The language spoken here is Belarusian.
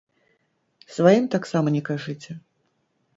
Сваім таксама не кажыце.